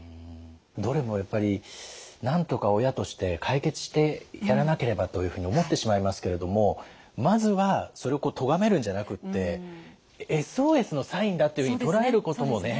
どれもやっぱりなんとか親として解決してやらなければというふうに思ってしまいますけれどもまずはそれをとがめるんじゃなくってＳＯＳのサインだっていうふうに捉えることもね